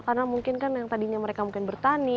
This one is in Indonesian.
karena mungkin kan yang tadinya mereka mungkin bertani